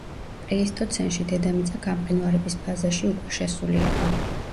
პლეისტოცენში დედამიწა გამყინვარების ფაზაში უკვე შესული იყო.